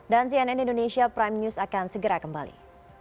dan cnn indonesia prime news akan segera kembali